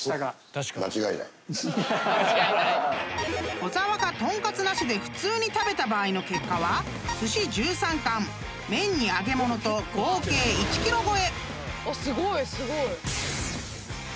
［小沢が豚カツなしで普通に食べた場合の結果はすし１３貫麺に揚げ物と合計１ｋｇ超え］